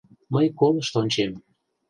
Мый колышт ончем.